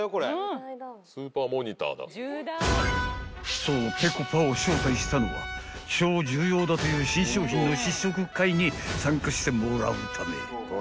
［そうぺこぱを招待したのは超重要だという新商品の試食会に参加してもらうため］